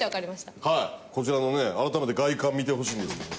こちらのね改めて外観見てほしいんですけど。